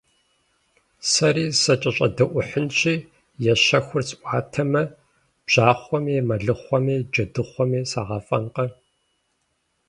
Сэри сакӀэщӀэдэӀухьынщи, я щэхур сӀуатэмэ, бжьахъуэми, мэлыхъуэми, джэдыхъуэми сагъэфӀэнкъэ!